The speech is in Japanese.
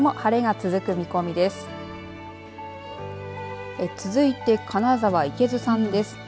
続いて金沢、池津さんです。